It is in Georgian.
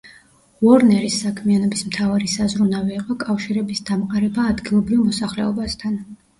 უორნერის საქმიანობის მთავარი საზრუნავი იყო კავშირების დამყარება ადგილობრივ მოსახლეობასთან.